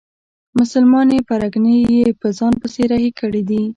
مسلمانې پرګنې یې په ځان پسې رهي کړي دي.